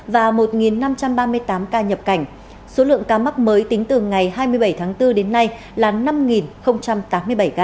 và một năm trăm ba mươi tám ca nhập cảnh số lượng ca mắc mới tính từ ngày hai mươi bảy tháng bốn đến nay là năm tám mươi bảy ca